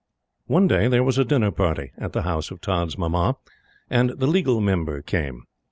One day there was a dinner party, at the house of Tods' Mamma, and the Legal Member came.